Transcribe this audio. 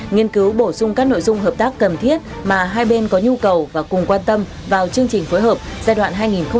nghiên cứu bổ sung các nội dung hợp tác cần thiết mà hai bên có nhu cầu và cùng quan tâm vào chương trình phối hợp giai đoạn hai nghìn một mươi sáu hai nghìn hai mươi